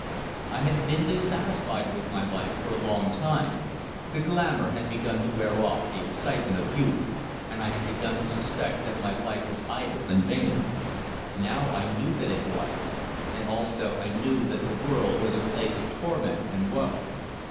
I had been dissatisfied with my life for a long time; the glamor had begun to wear off the excitement of youth, and I had begun to suspect that my life was idle and vain. Now I knew that it was: and also I knew that the world was a place of torment and woe.